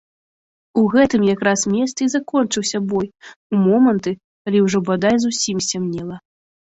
У гэтым якраз месцы і закончыўся бой у моманты, калі ўжо бадай зусім сцямнела.